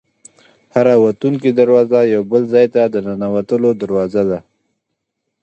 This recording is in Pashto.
هره وتونکې دروازه یو بل ځای ته د ننوتلو دروازه ده.